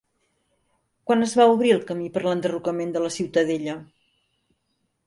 Quan es va obrir el camí per a l'enderrocament de la Ciutadella?